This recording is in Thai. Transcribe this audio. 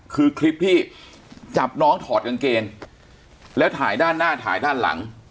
คือคลิปที่จับน้องถอดกางเกงแล้วถ่ายด้านหน้าถ่ายด้านหลัง